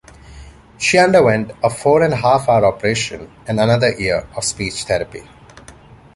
She underwent a four-and-a-half-hour operation and another year of speech therapy.